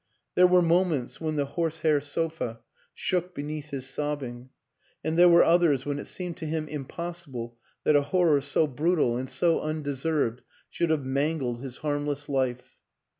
There were moments when the horsehair sofa shook be neath his sobbing; and there were others when it seemed to him impossible that a horror so brutal and so undeserved should have mangled his harm less life.